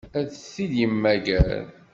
Ad t-id-yemmager?